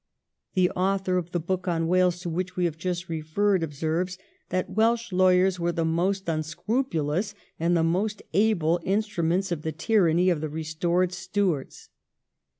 The author of the book on Wales to which we have just referred observes that 'Welsh lawyers were the most un scrupulous and the most able instruments of the tyranny of the restored Stuarts.'